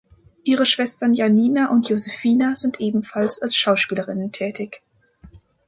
Ihre Schwestern Janina und Josefina sind ebenfalls als Schauspielerinnen tätig.